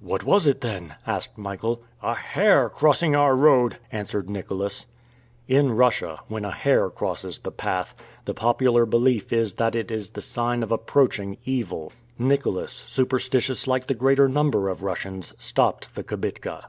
"What was it then?" asked Michael. "A hare crossing our road!" answered Nicholas. In Russia, when a hare crosses the path, the popular belief is that it is the sign of approaching evil. Nicholas, superstitious like the greater number of Russians, stopped the kibitka.